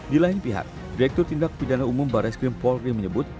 di lain pihak direktur tindak pidana umum barai skrim paul reem menyebut